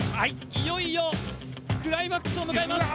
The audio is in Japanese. いよいよクライマックスを迎えます